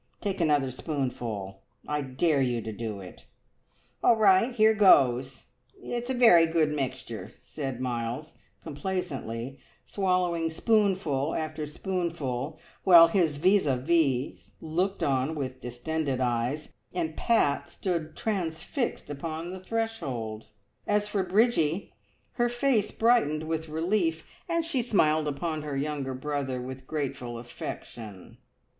Take another spoonful I dare you to do it!" "All right, here goes! It's a very good mixture," said Miles complacently, swallowing spoonful after spoonful, while his vis a vis looked on with distended eyes, and Pat stood transfixed upon the threshold. As for Bridgie, her face brightened with relief, and she smiled upon her younger brother with grateful affection.